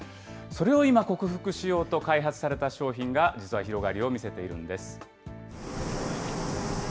それを今、克服しようと開発された商品が、実は広がりを見せているんです。